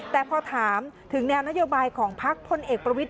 แต่พอถามถึงแนวนโยบายของพักพลเอกประวิทย